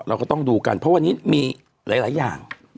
เราก็ต้องดูกันเพราะวันนี้มีหลายอย่าง